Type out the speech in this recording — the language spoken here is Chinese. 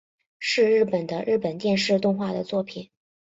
是日本的日本电视动画的作品。